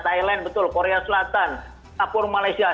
thailand betul korea selatan kapur malaysia